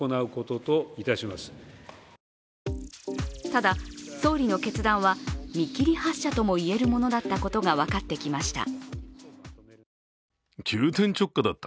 ただ、総理の決断は見切り発車とも言えるものだったことが分かってきました。